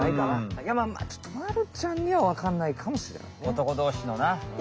いやまあちょっとまるちゃんにはわかんないかもしれないね。